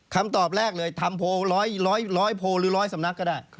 คำตอบแรกเลยทำโพล๑๐๐โพลหรือร้อยสำนักก็ได้